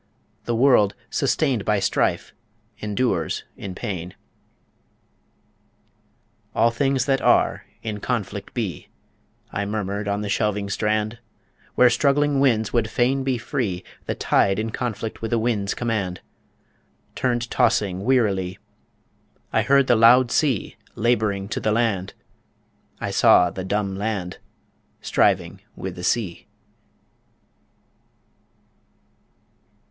The world, sustained by strife, endures in pain. "All things that are in conflict be," I murmured on the shelving strand, Where struggling winds would fain be free The tides in conflict with the wind's command, Turned tossing, wearily I heard the loud sea labouring to the land I saw the dumb land striving with the sea.